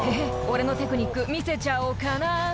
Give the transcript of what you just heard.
俺のテクニック見せちゃおうかな」